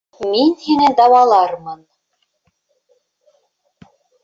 Мин һине дауалармын!